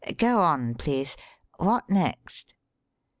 Go on, please what next?"